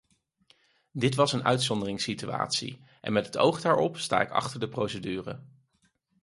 Dit was een uitzonderingssituatie, en met het oog daarop sta ik achter de procedure.